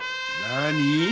何！？